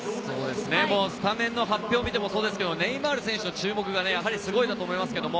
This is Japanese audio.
スタメン発表を見てもそうですけど、ネイマール選手の注目がすごいです。